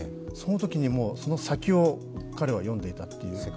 そのときに、もうその先を彼は読んでいたという。